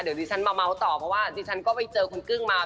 เดี๋ยวดิฉันมาเมาส์ต่อเพราะว่าดิฉันก็ไปเจอคุณกึ้งมา